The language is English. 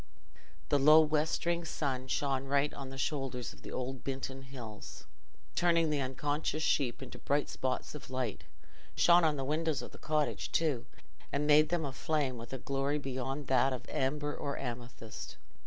The low westering sun shone right on the shoulders of the old Binton Hills, turning the unconscious sheep into bright spots of light; shone on the windows of the cottage too, and made them a flame with a glory beyond that of amber or amethyst.